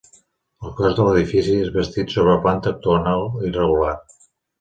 El cos de l'edifici és bastit sobre planta octogonal irregular.